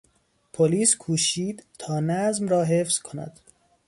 پلیس کوشید تا نظم را حفظ کند.